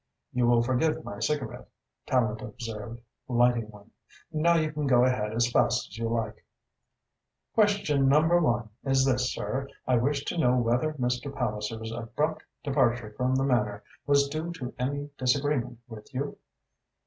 "You will forgive my cigarette," Tallente observed, lighting one. "Now you can go ahead as fast as you like." "Question number one is this, sir. I wish to know whether Mr. Palliser's abrupt departure from the Manor was due to any disagreement with you?"